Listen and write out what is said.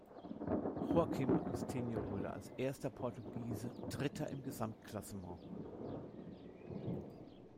Joaquim Agostinho wurde als erster Portugiese Dritter im Gesamtklassement.